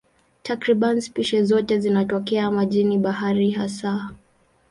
Takriban spishi zote zinatokea majini, baharini hasa.